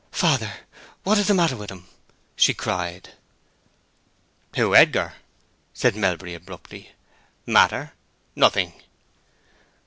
"Father, what is the matter with him?" she cried. "Who—Edgar?" said Melbury, abruptly. "Matter? Nothing.